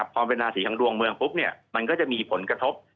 พอเป็นราศีของดวงเมืองปุ๊บมันก็จะมีผลกระทบ